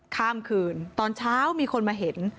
ข้ามคืนตอนเช้ามีคนมาเห็น